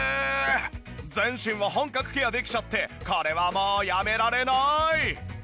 全身を本格ケアできちゃってこれはもうやめられない！